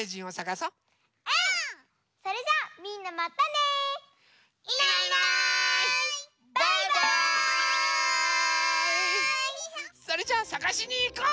それじゃあさがしにいこう！